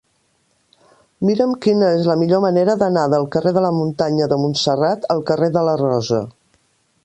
Mira'm quina és la millor manera d'anar del carrer de la Muntanya de Montserrat al carrer de la Rosa.